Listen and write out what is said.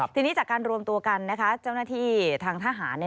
ทีนี้จากการรวมตัวกันนะคะเจ้าหน้าที่ทางทหาร